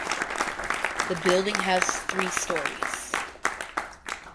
The building has three stories.